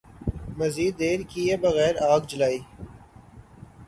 مزید دیر کئے بغیر آگ جلائی